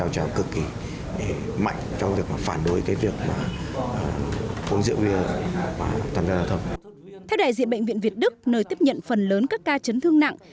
theo đại diện bệnh viện việt đức nơi tiếp nhận phần lớn các ca chấn thương nặng